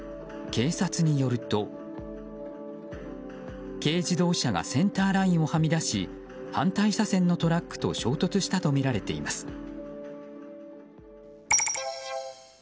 警察によると軽自動車がセンターラインをはみ出し反対車線のトラックと衝突したとみられています。